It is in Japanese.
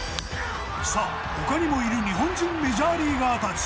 さあ他にもいる日本人メジャーリーガーたち。